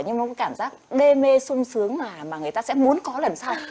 nhưng nó có cảm giác đê mê sung sướng mà người ta sẽ muốn có lần sau